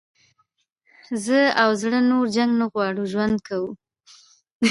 زه او زړه نور جنګ نه غواړو ژوند کوو.